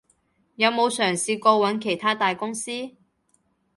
有冇嘗試過揾其它大公司？